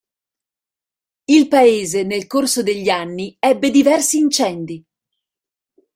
Il paese nel corso degli anni ebbe diversi incendi.